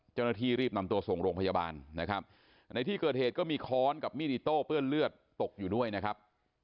เจ้าหน้าที่รีบนำตัวส่งโรงพยาบาลนะครับในที่เกิดเหตุก็มีค้อนกับมีดอิโต้เปื้อนเลือดตกอยู่ด้วยนะครับ